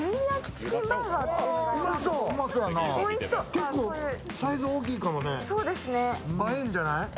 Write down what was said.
結構サイズ大きいかもね。